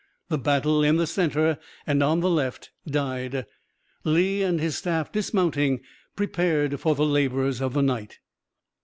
The battle in the center and on the left died. Lee and his staff dismounting, prepared for the labors of the night.